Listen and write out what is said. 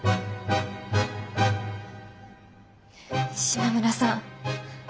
島村さん